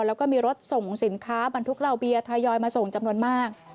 แล้วก็มีรถส่งสินค้าบรรทุกเหล่าเบียร์ทยอยมาส่งจำนวนมาก